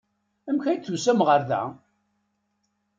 Amek ay d-tusam ɣer da?